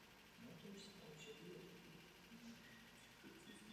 Zuby ve spodní čelisti jsou poměrně vysoké a ke konci čelistí také rozměrné.